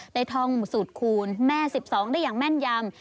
ท่องสูตรคูณแม่๑๒ได้อย่างแม่นยำ